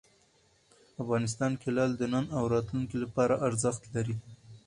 افغانستان کې لعل د نن او راتلونکي لپاره ارزښت لري.